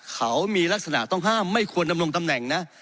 เขามีลักษณะต้องห้ามไม่ควรดำรงตำแหน่งนะ